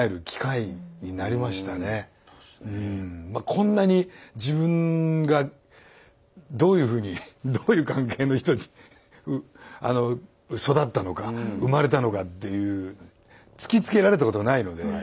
こんなに自分がどういうふうにどういう関係の人に育ったのか生まれたのかっていう突きつけられたことがないので。